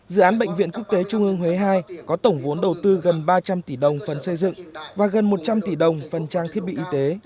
dự án bệnh viện quốc tế trung ương huế ii có tổng vốn đầu tư gần ba trăm linh tỷ đồng phần xây dựng và gần một trăm linh tỷ đồng phần trang thiết bị y tế